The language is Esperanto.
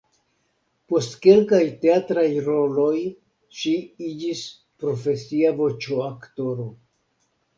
Post kelkaj teatraj roloj ŝi iĝis profesia voĉoaktoro.